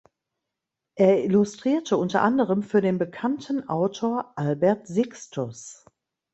Er illustrierte unter anderem für den bekannten Autor Albert Sixtus.